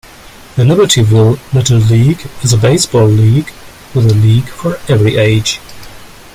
The Libertyville Little League is a baseball league with a league for every age.